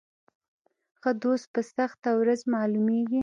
ښه دوست په سخته ورځ معلومیږي.